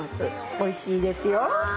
おいしいですよ。